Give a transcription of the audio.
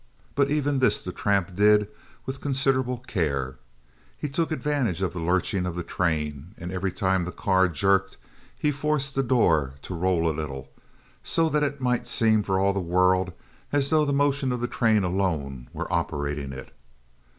But even this the tramp did with considerable care. He took advantage of the lurching of the train, and every time the car jerked he forced the door to roll a little, so that it might seem for all the world as though the motion of the train alone were operating it.